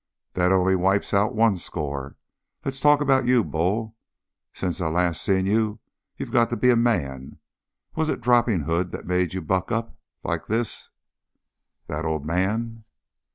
"That only wipes out one score. Let's talk about you, Bull. Since I last seen you, you've got to be a man. Was it dropping Hood that made you buck up like this?" "That old man?"